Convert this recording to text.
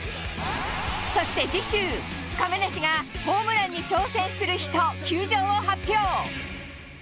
そして次週、亀梨がホームランに挑戦する日と球場を発表。